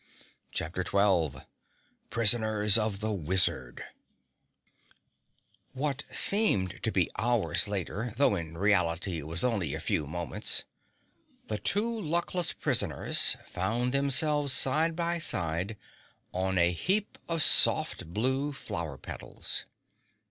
CHAPTER 12 Prisoners of the Wizard What seemed to be hours later, though in reality it was only a few moments, the two luckless prisoners found themselves side by side on a heap of soft blue flower petals.